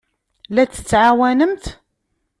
La t-tettɛawanemt?